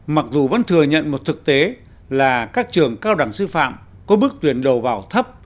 mặc dù vẫn thừa nhận một thực tế là các trường cao đẳng sư phạm có bước tuyển đầu vào thấp